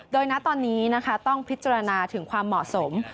โดยณตอนนี้ต้องพิจารณาถึงความเหมาะสม